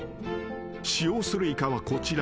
［使用するイカはこちら］